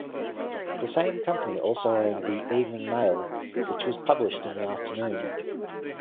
The same company also owned the "Evening Mail", which was published in the afternoon.